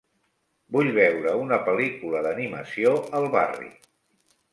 Vull veure una pel·lícula d'animació al barri